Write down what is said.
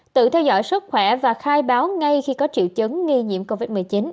tự theo dõi sức khỏe và khai báo ngay khi có triệu chứng nghi nhiễm covid một mươi chín